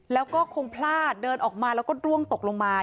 แล้วก็คงพลาดเดินออกมาแล้วก็ร่วงตกลงมา